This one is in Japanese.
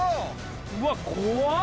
うわ怖っ！